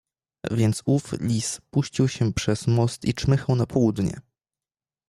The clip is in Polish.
"Więc ów lis puścił się przez most i czmychał na południe."